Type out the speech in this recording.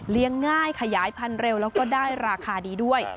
ง่ายขยายพันธุ์เร็วแล้วก็ได้ราคาดีด้วย